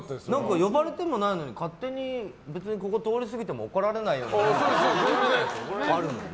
呼ばれてもいないのに勝手に、ここ通り過ぎても怒られないようなところあるよね。